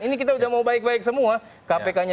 ini kita udah mau baik baik semua kpk nya